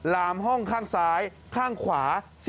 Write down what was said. ลามห้องข้างซ้ายข้างขวา